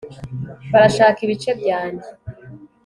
barashaka ibice byanjye